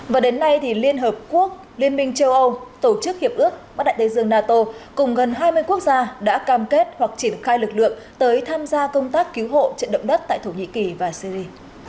và đến nay liên hợp quốc liên minh châu âu tổ chức hiệp ước bắc đại tây dương nato cùng gần hai mươi quốc gia đã cam kết hoặc triển khai lực lượng tới tham gia công tác cứu hộ trận động đất tại thổ nhĩ kỳ và syri